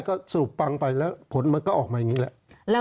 ก็สรุปปังไปแล้วผลมันก็ออกมาอย่างนี้แหละ